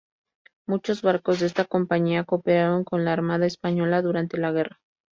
Muchos barcos de esta compañía cooperaron con la Armada Española durante la guerra.